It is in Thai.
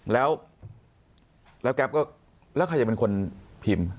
แล้วแก๊ปก็แล้วใครจะเป็นคนพิมพ์